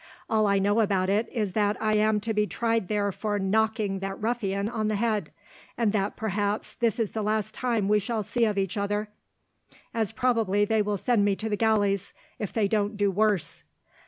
All I know about it is that I am to be tried there for knocking that ruffian on the head—and that perhaps this is the last we shall see of each other, as probably they will send me to the galleys, if they don't do worse."